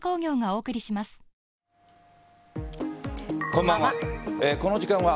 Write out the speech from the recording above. こんばんは。